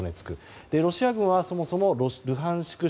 ロシア軍はそもそもルハンシク